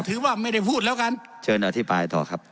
ถือว่าไม่ได้พูดแล้วกันเชิญอภิปรายต่อครับ